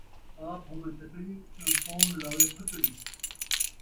آپ ہوویں تکڑی تاں کون لاوے پھکڑی